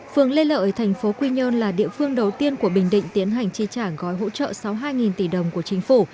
phường lê lợi thành phố quy nhơn là địa phương đầu tiên của bình định tiến hành chi trả gói hỗ trợ sáu mươi hai tỷ đồng của chính phủ